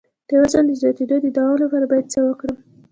د وزن د زیاتیدو د دوام لپاره باید څه وکړم؟